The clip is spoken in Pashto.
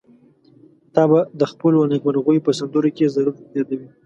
تا به د خپلو نېکمرغيو په سندرو کې ضرور يادوي.